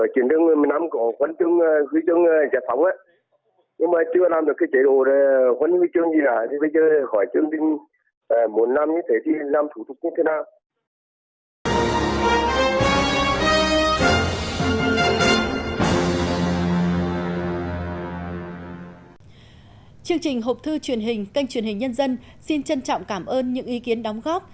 chương trình hộp thư truyền hình kênh truyền hình nhân dân xin trân trọng cảm ơn những ý kiến đóng góp